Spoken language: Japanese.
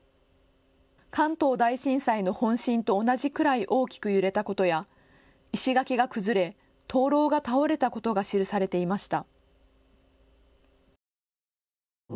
関東大震災の本震と同じくらい大きく揺れたことや石垣が崩れ灯籠が倒れたことが記されていました。